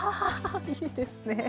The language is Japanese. いいですね。